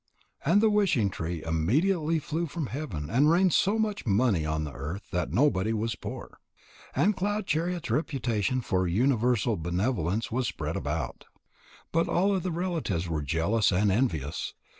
And the wishing tree immediately flew from heaven and rained so much money on the earth that nobody was poor. And Cloud chariot's reputation for universal benevolence was spread about. But all the relatives were jealous and envious.